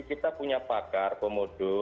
kita punya pakar komodo